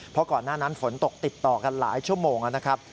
เพราะก่อนหน้านั้นฝนตกติดต่อกันหลายชั่วโมงนะครับ